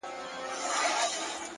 مه وله د سترگو اټوم مه وله _